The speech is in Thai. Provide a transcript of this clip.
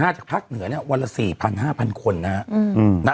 จากภาคเหนือเนี่ยวันละ๔๐๐๕๐๐คนนะฮะ